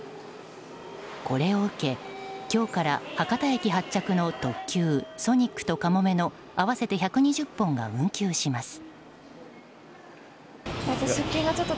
これを受け、今日から博多駅発着の特急「ソニック」と「かもめ」の合わせて１２０本が運休します。